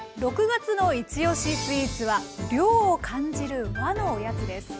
６月の「いちおしスイーツ」は涼を感じる和のおやつです。